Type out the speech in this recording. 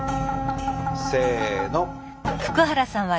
せの！